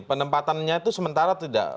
penempatannya itu sementara tidak